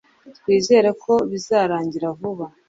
twizere ko bizarangira vuba